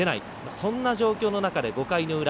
そんな状況の中で５回の裏。